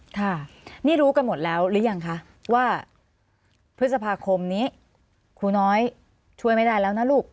ค่ะนี่รู้กันหมดแล้วหรือยังคะว่าพฤษภาคมนี้ครูน้อยช่วยไม่ได้แล้วนะลูก